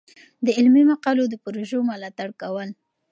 د علمي مقالو د پروژو ملاتړ کول.